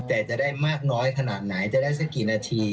แต่จะได้มากน้อยขนาดไหนจะได้สักกี่นาที